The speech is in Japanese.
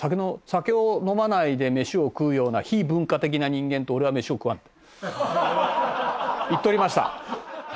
「酒を飲まないで飯を食うような非文化的な人間と俺は飯を食わん」って言っておりました。